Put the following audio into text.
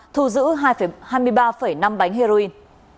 thu giữ hai mươi ba năm bánh heroin